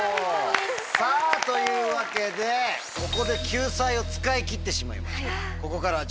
さぁというわけでここで救済を使い切ってしまいました。